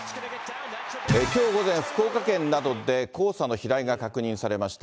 きょう午前、福岡県などで黄砂の飛来が確認されました。